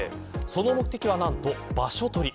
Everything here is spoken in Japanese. その目的は、なんと場所取り。